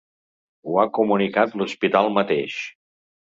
Ho ha comunicat l’hospital mateix.